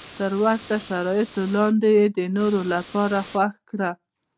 تر ورته شرایطو لاندې یې د نورو لپاره خوښ کړه.